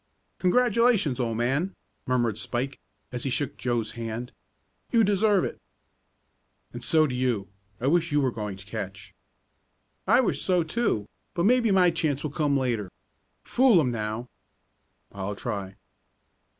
"Congratulations, old man!" murmured Spike, as he shook Joe's hand. "You deserve it." "And so do you. I wish you were going to catch." "I wish so, too, but maybe my chance will come later. Fool 'em now." "I'll try."